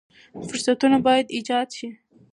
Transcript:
فرصتونه باید ایجاد شي.